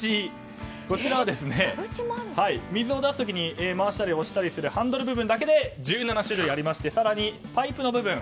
こちらは水を出す時に回したり押したりするハンドル部分だけで１７種類ありまして更にパイプの部分。